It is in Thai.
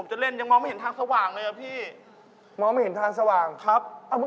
คือดูแล้วพวกพี่เล่นกันผมคงจำไม่ได้แล้ว